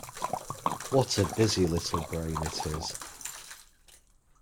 What a busy little brain it is.